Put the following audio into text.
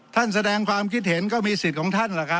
ท่านแสดงความคิดเห็นก็มีสิทธิ์ของท่าน